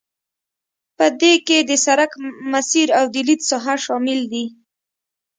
په دې کې د سرک مسیر او د لید ساحه شامل دي